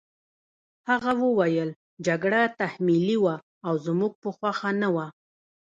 هغه وویل جګړه تحمیلي وه او زموږ په خوښه نه وه